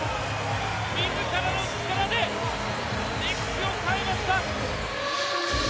自らの力で歴史を変えました！